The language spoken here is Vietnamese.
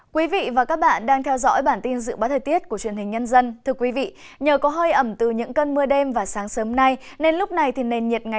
các bạn hãy đăng ký kênh để ủng hộ kênh của chúng mình nhé